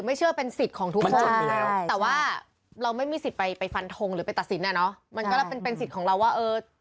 มันเริ่มต้นไปยังไง